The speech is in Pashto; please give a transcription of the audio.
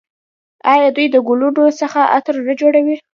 آیا دوی د ګلونو څخه عطر نه جوړوي؟